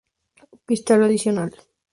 Pista adicional